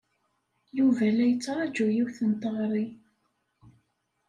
Yuba la yettṛaju yiwet n teɣri.